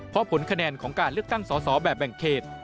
เพราะผลคะแนนของการเลือกตั้งสอสอแบบแบ่งเขต